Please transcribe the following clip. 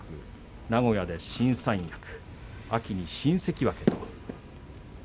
名古屋で新三役秋、新関脇と。